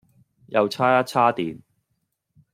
又差一差電